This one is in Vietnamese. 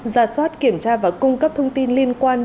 ra soát kiểm tra và cung cấp thông tin liên quan